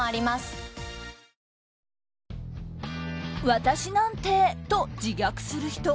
「私なんて」と自虐する人。